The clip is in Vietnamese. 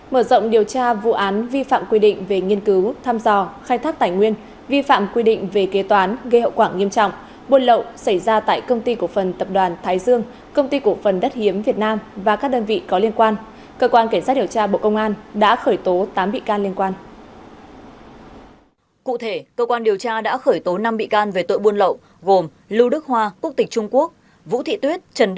mở rộng điều tra vụ án vi phạm quy định về nghiên cứu tham dò khai thác tài nguyên vi phạm quy định về kế toán gây hậu quả nghiêm trọng buôn lậu xảy ra tại công ty cổ phần tập đoàn thái dương công ty cổ phần đất hiếm việt nam và các đơn vị có liên quan cơ quan kiểm soát điều tra bộ công an đã khởi tố tám bị can liên quan